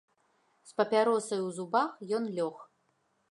З папяросай у зубах ён лёг.